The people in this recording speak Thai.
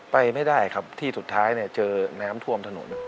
ไปไม่ได้ครับที่สุดท้ายเนี่ยเจอน้ำท่วมถนน